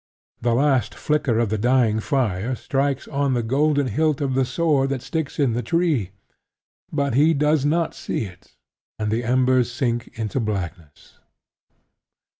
The last flicker of the dying fire strikes on the golden hilt of the sword that sticks in the tree; but he does not see it; and the embers sink into blackness.